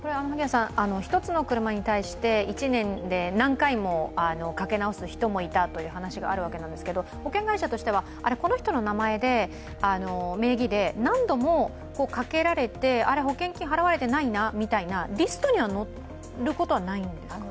１つの車に対して１年で何回もかけ直す人もいたという話があるわけなんですけれども保険会社としては、この人の名前で名義で、何度もかけられて、保険金払われていないなみたいなリストに載ることはないんですか？